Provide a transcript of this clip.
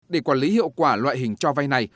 để quản lý hiệu quả loại hình cho vay này